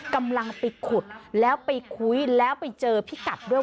กำลังไปขุดแล้วไปคุยแล้วไปเจอพี่กัดด้วย